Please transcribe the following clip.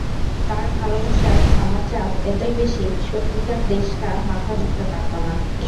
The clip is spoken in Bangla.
তাঁর ভালোবাসার ধামার চাপ এতই বেশি, সত্যিকার দেশটা মাথা তুলতে পারত না।